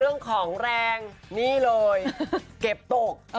เรื่องของแรงนี่เลยเก็บตก